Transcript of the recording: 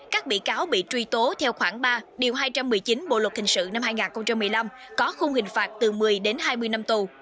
các bị cáo bị truy tố theo khoảng ba điều hai trăm một mươi chín bộ luật hình sự năm hai nghìn một mươi năm có khung hình phạt từ một mươi đến hai mươi năm tù